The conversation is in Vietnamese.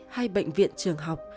hay bệnh viện trường học